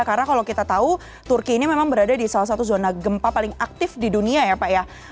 karena kalau kita tahu turki ini memang berada di salah satu zona gempa paling aktif di dunia ya pak ya